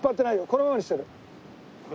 このままにしてる。